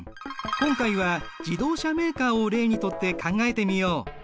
今回は自動車メーカーを例にとって考えてみよう！